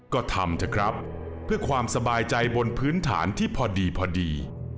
ก็ทำเถอะครับเพื่อความสบายใจบนพื้นฐานที่พอดีพอดี